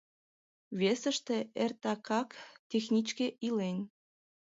Весыште эртакак техничке илен.